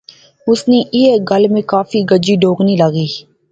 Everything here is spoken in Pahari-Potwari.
اس نی ایہہ گل میں کافی گجی ڈونغی لغی